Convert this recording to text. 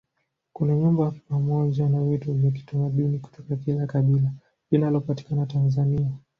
kuna nyumba pamoja na vitu vya kiutamaduni kutoka kila kabila linalopatikana tanzania